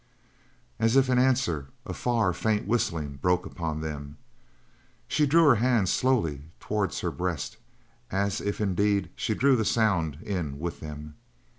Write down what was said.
As if in answer, a far, faint whistling broke upon them. She drew her hands slowly towards her breast, as if, indeed, she drew the sound in with them.